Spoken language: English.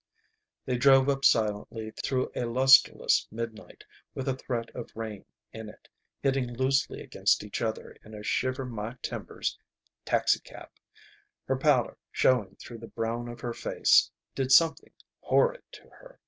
They drove up silently through a lusterless midnight with a threat of rain in it, hitting loosely against each other in a shiver my timbers taxicab. Her pallor showing through the brown of her face did something horrid to her.